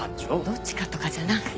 どっちかとかじゃなくて。